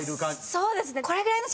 そうですね。